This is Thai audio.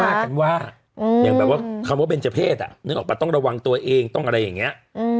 ว่ากันว่าอย่างแบบว่าคำว่าเบนเจอร์เพศนึกออกปะต้องระวังตัวเองต้องอะไรอย่างนี้